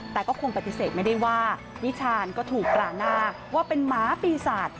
แต่ก็คงปฏิเสธไม่ได้ว่าวิชาญก็ถูกตราหน้าว่าเป็นหมาปีศาจ